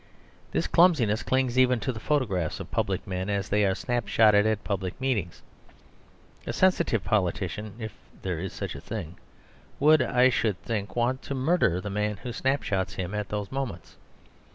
This clumsiness clings even to the photographs of public men, as they are snapshotted at public meetings. A sensitive politician (if there is such a thing) would, I should think, want to murder the man who snapshots him at those moments.